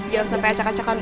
ya sampai acak acakan